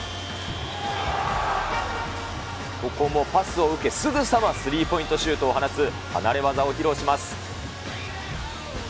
ここもパスを受け、すぐさまスリーポイントシュートを放つ離れ業を披露します。